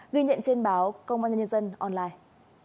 ghi nhận trên báo công an nhân dân online